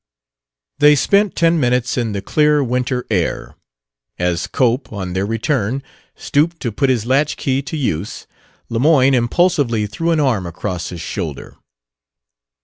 They spent ten minutes in the clear winter air. As Cope, on their return, stooped to put his latch key to use, Lemoyne impulsively threw an arm across his shoulder.